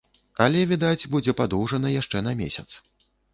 Але, відаць, будзе падоўжана яшчэ на месяц.